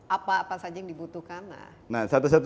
apa apa saja yang dibutuhkan